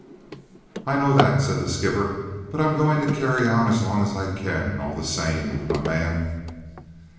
"I know that," said the skipper. "But I'm going to carry on as long as I can, all the same, my man."